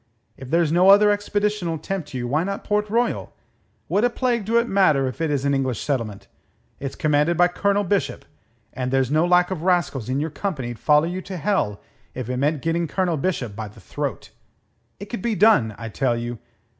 If there's no other expedition'll tempt you, why not Port Royal? What a plague do it matter if it is an English settlement? It's commanded by Colonel Bishop, and there's no lack of rascals in your company'd follow you to hell if it meant getting Colonel Bishop by the throat. It could be done, I tell you.